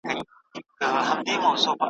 له چینې به دي ساړه سیوري ټولیږي `